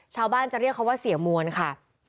ชาวบ้านจะเรียกเขาว่าเสียมวลค่ะ